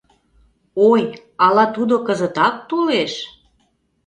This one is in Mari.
Ой, ала тудо кызытак толеш?